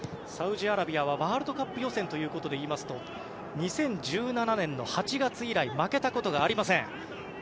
サウジアラビアはワールドカップ予選ということでいいますと２０１７年の８月以来負けたことがありません。